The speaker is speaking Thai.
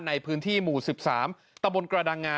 ในพื้นที่หมู่๑๓ตะบนกระดังงา